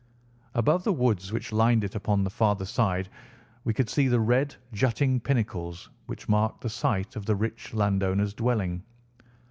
Above the woods which lined it upon the farther side we could see the red, jutting pinnacles which marked the site of the rich landowner's dwelling.